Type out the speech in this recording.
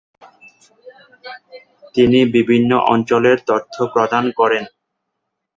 তিনি বিভিন্ন অঞ্চলের তথ্য প্রদান করেন।